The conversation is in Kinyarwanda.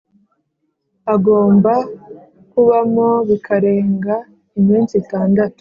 agomba kubamo bikarenga iminsi itandatu